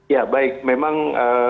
ya baik memang